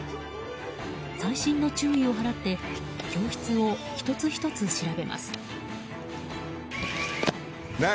細心の注意を払って教室を１つ１つ調べます。